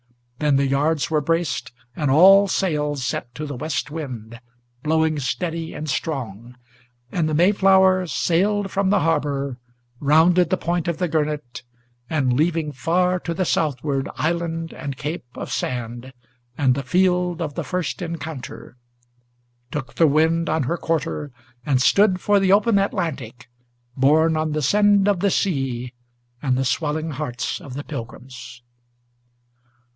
Then the yards were braced, and all sails set to the west wind, Blowing steady and strong; and the Mayflower sailed from the harbor, Rounded the point of the Gurnet, and leaving far to the southward Island and cape of sand, and the Field of the First Encounter, Took the wind on her quarter, and stood for the open Atlantic, Borne on the send of the sea, and the swelling hearts of the Pilgrims.